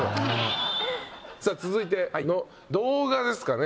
さぁ続いての動画ですかね。